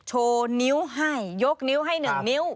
โชว์นิ้วให้ยกนิ้วให้๑นิ้ว